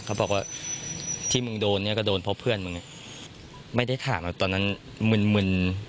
เขาบอกว่าที่มึงโดนเนี่ยก็โดนเพราะเพื่อนมึงไม่ได้ถามตอนนั้นมึนมึน